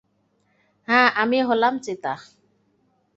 হ্যাঁ, আমি হলাম চিতা।